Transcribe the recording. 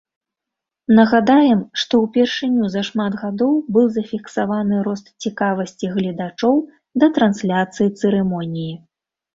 Нагадаем, што ўпершыню за шмат гадоў быў зафіксаваны рост цікавасці гледачоў да трансляцыі цырымоніі.